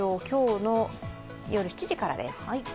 今日の夜７時からです。